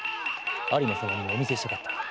有馬様にもお見せしたかったな。